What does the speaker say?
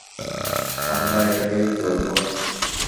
আমরা এটাকে কী করব?